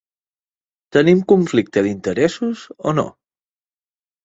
Tenim conflicte d'interessos o no?